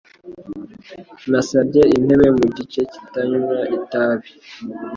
Nasabye intebe mu gice kitanywa itabi.